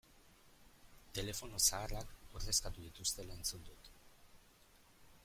Telefono zaharrak ordezkatu dituztela entzun dut.